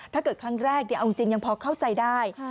ถ้าเกิดครั้งแรกเอาจริงยังพอเข้าใจได้